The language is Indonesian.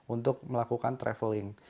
untuk melakukan travelling